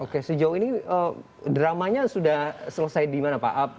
oke sejauh ini dramanya sudah selesai di mana pak